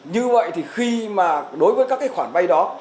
như vậy thì khi mà đối với các cái khoản vay đó